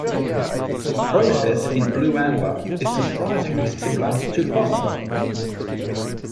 The process in blue amber is surprisingly similar to phosphor.